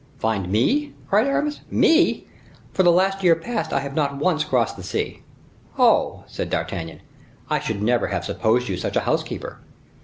"Find me!" cried Aramis. "Me! for the last year past I have not once crossed the sea." "Oh," said D'Artagnan, "I should never have supposed you such a housekeeper."